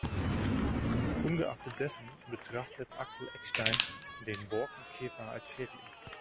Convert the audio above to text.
Ungeachtet dessen betrachtet Axel Eckstein den Borkenkäfer als Schädling.